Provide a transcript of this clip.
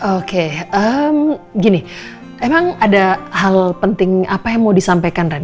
oke gini emang ada hal penting apa yang mau disampaikan rani